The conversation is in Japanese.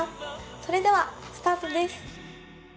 それではスタートです。